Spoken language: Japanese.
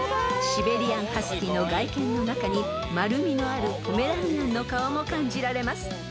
［シベリアンハスキーの外見の中に丸みのあるポメラニアンの顔も感じられます］